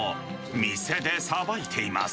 店でさばいています。